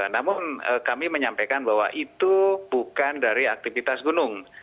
namun kami menyampaikan bahwa itu bukan dari aktivitas gunung